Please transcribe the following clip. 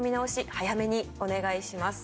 早めにお願いします。